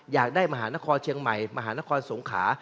อยากได้มหานครเชียงใหม่มหานครสงขา